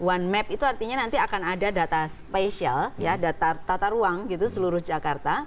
one map itu artinya nanti akan ada data spesial ya data tata ruang gitu seluruh jakarta